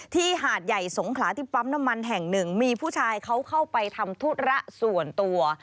หาดใหญ่สงขลาที่ปั๊มน้ำมันแห่งหนึ่งมีผู้ชายเขาเข้าไปทำธุระส่วนตัว